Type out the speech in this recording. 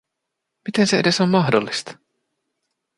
Miten se edes on mahdollista?!